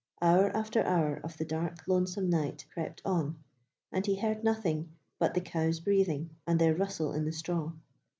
Hour after hour of the dark lonesome night crept on, and he heard nothing but the cows' breathing and their rustle in the straw.